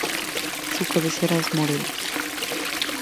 Su cabecera es Morelos.